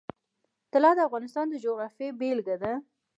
طلا د افغانستان د جغرافیې بېلګه ده.